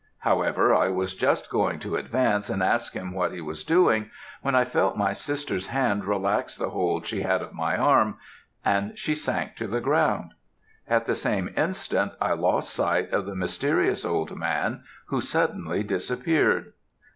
However, I was just going to advance, and ask him what he was doing? when I felt my sister's hand relax the hold she had of my arm, and she sank to the ground; at the same instant I lost sight of the mysterious old man, who suddenly disappeared.